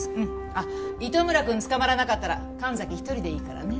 あっ糸村くんつかまらなかったら神崎一人でいいからね。